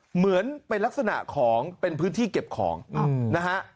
เหมือนเป็นลักษณะของเป็นพื้นที่เก็บของนะฮะ